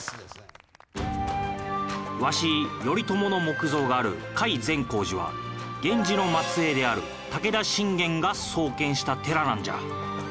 わし頼朝の木像がある甲斐善光寺は源氏の末裔である武田信玄が創建した寺なんじゃ。